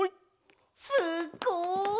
すっごい！